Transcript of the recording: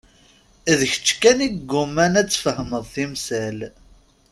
D kečč kan i yegguman ad tfehmeḍ timsal.